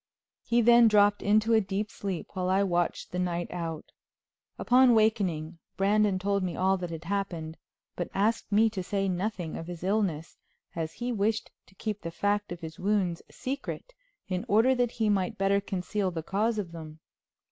He then dropped into a deep sleep, while I watched the night out. Upon awakening Brandon told me all that had happened, but asked me to say nothing of his illness, as he wished to keep the fact of his wounds secret in order that he might better conceal the cause of them.